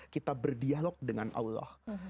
kita berdialog dengan allah